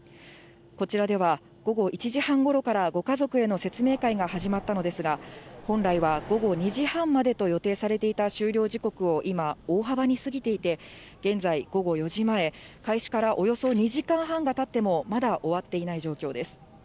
こちらでは、午後１時半ごろからご家族への説明会が始まったのですが、本来は午後２時半までと予定されていた終了時刻を今、大幅に過ぎていて、現在、午後４時前、開始からおよそ２時間半がたっても、まだ終わっていない状況です。